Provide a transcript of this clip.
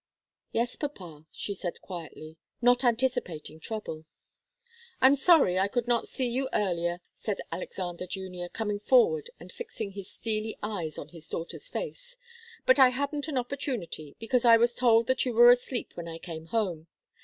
"Yes, papa," she answered quietly, not anticipating trouble. "I'm sorry I could not see you earlier," said Alexander Junior, coming forward and fixing his steely eyes on his daughter's face. "But I hadn't an opportunity, because I was told that you were asleep when I came home.